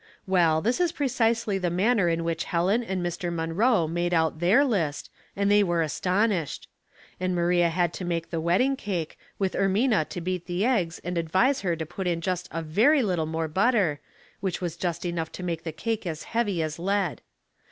Well, this is precisely the manner in which Helen and Mr. Munroe made out their list, and they were astonished. And Maria had to make the wedding cake, with Ermina to beat the Qg^^ and advise her to put in just a very little more butter, which was just enough to make the cake as heavy as lead.